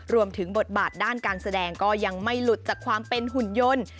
รวมถึงบทบาทด้านการแสดงก็ยังไม่หลุดจากความเป็นหุ่นยนต์